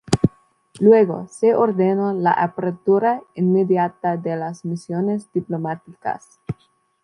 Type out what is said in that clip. Luego se ordenó la apertura inmediata de las misiones diplomáticas.